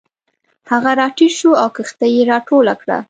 هغه راټیټ شو او کښتۍ یې راټوله کړه.